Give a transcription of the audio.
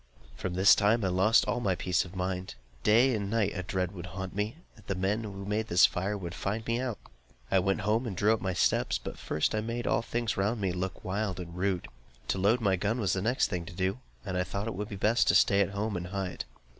From this time I lost all my peace of mind. Day and night a dread would haunt me, that the men who had made this fire would find me out. I went home and drew up my steps, but first I made all things round me look wild and rude. To load my gun was the next thing to do, and I thought it would be best to stay at home and hide.